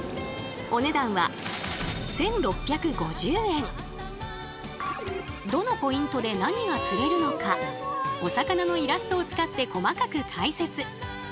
お値段はどのポイントで何が釣れるのかお魚のイラストを使って細かく解説。